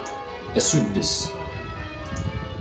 Asuddes.